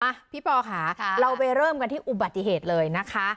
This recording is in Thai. พี่ปอค่ะเราไปเริ่มกันที่อุบัติเหตุเลยนะคะ